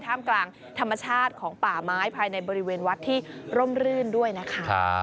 กลางธรรมชาติของป่าไม้ภายในบริเวณวัดที่ร่มรื่นด้วยนะคะ